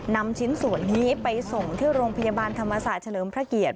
นำชิ้นส่วนนี้ไปส่งที่โรงพยาบาลธรรมศาสตร์เฉลิมพระเกียรติ